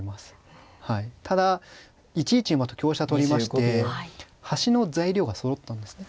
ただ１一馬と香車取りまして端の材料がそろったんですね。